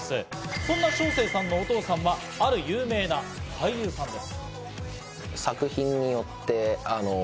そんな将清さんのお父さんはある有名な俳優さんです。